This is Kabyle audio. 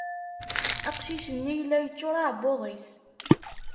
Aqcic-nni yella yeččur uεebbuḍ-is.